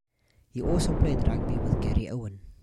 He also played rugby with Garryowen.